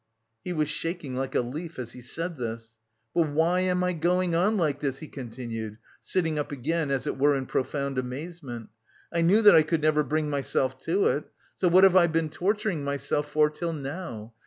He was shaking like a leaf as he said this. "But why am I going on like this?" he continued, sitting up again, as it were in profound amazement. "I knew that I could never bring myself to it, so what have I been torturing myself for till now?